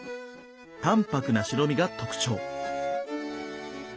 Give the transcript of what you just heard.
淡泊な白身が特徴。